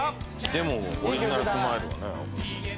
でも『オリジナルスマイル』はね